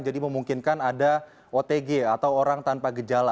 jadi memungkinkan ada otg atau orang tanpa gejala